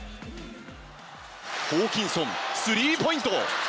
ホーキンソンスリーポイント！